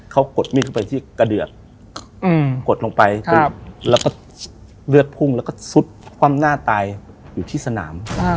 เขากดมีดเข้าไปที่กระเดือกกดลงไปแล้วก็เลือดพุ่งแล้วก็ซุดคว่ำหน้าตายอยู่ที่สนาม